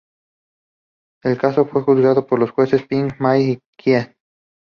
El caso fue juzgado por los jueces Pill, May y Keane.